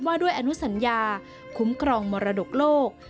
ว่าด้วยอนุสัญญาคุ้มครองมรดกโลก